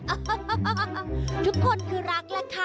อ๊ะฮ่าทุกคนคือรักแหละค่ะ